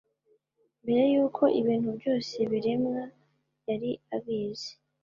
mbere y'uko ibintu byose biremwa, yari abizi